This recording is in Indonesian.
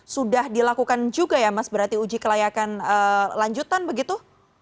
sudah dilakukan juga ya mas berarti uji kelayakan lanjutan begitu